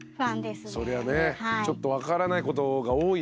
そりゃねちょっと分からないことが多いし。